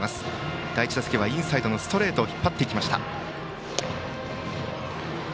第１打席はインサイドのストレートを引っ張りました。